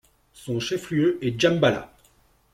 Son chef-lieu est Djambala.